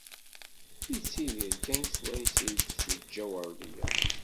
Yettidir kan s wayen i as-d-teǧǧa Werdiya.